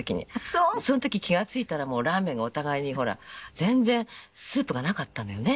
その時気が付いたらもうラーメンがお互いにほら全然スープがなかったのよね。